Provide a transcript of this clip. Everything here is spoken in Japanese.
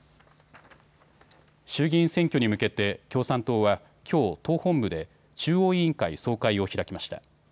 衆議院選挙に向けて共産党は、きょう党本部で中央委員会総会を開きました。